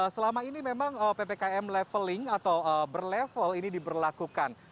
selama ini memang ppkm leveling atau berlevel ini diberlakukan